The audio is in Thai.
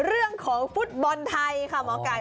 เรื่องของฤทธิ์ทายค่ะหมอกไกร